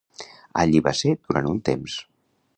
Allí va ser durant un temps.